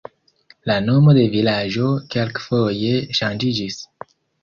La nomo de vilaĝo kelkfoje ŝanĝiĝis.